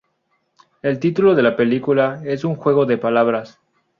El título de la película es un juego de palabras.